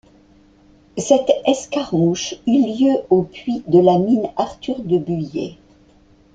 Cette escarmouche eut lieu aux puits de la mine Arthur-de-Buyer.